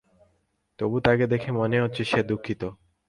তবু তাকে দেখে মনে হচ্ছে সে দুঃখিত।